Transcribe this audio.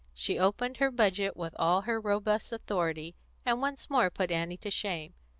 She opened her budget with all her robust authority, and once more put Annie to shame.